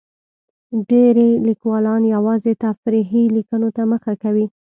ډېری لیکوالان یوازې تفریحي لیکنو ته مخه کوي.